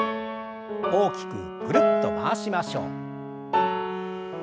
大きくぐるっと回しましょう。